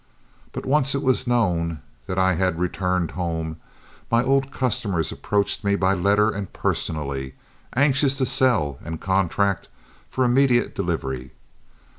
But once it was known that I had returned home, my old customers approached me by letter and personally, anxious to sell and contract for immediate delivery.